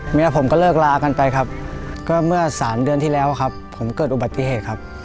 เมียผมก็เลิกลากันไปครับก็เมื่อสามเดือนที่แล้วครับผมเกิดอุบัติเหตุครับ